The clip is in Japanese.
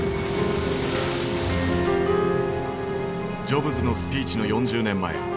ジョブズのスピーチの４０年前。